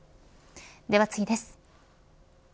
では次です。